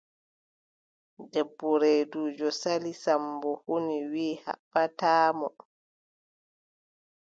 Debbo reeduujo Sali, Sammbo huni wiʼi haɓɓataa mo.